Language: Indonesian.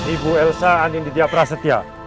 ibu elsa anindidya prasetya